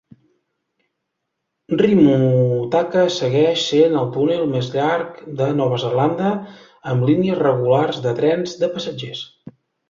Rimutaka segueix sent el túnel més llarg de Nova Zelanda amb línies regulars de trens de passatgers.